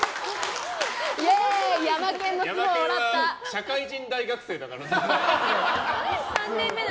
社会人大学生だからさ。